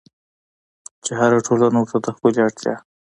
چې هره ټولنه ورته د خپلې اړتيا